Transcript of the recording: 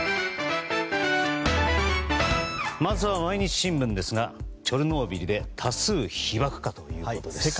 まずは毎日新聞ですがチョルノービリで多数の被ばくかということです。